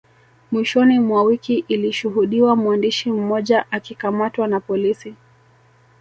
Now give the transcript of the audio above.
Mwishoni mwa wiki ilishuhudiwa mwandishi mmoja akikamatwa na polisi